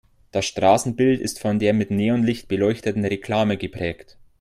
Das Straßenbild ist von der mit Neonlicht beleuchteten Reklame geprägt.